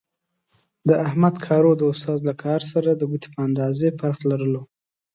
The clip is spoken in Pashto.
د احمد کارو د استاد له کار سره د ګوتې په اندازې فرق لرلو.